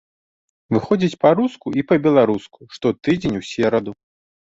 Выходзіць па-руску і па-беларуску штотыдзень у сераду.